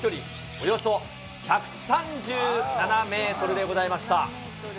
およそ１３７メートルでございました。